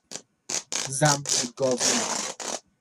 زنبور گاوی